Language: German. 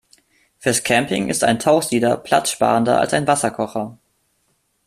Fürs Camping ist ein Tauchsieder platzsparender als ein Wasserkocher.